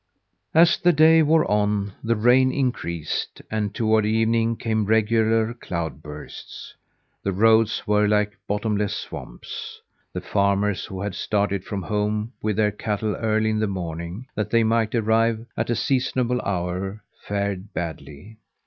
As the day wore on, the rain increased, and toward evening came regular cloud bursts. The roads were like bottomless swamps. The farmers who had started from home with their cattle early in the morning, that they might arrive at a seasonable hour, fared badly.